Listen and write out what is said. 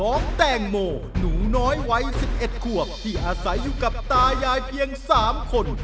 น้องแต้งโมหนูน้อยไว้สิบเอ็ดขวบที่อาศัยอยู่กับตายายเพียงสามคน